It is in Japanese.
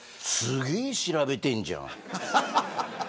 すげえ調べてんじゃん。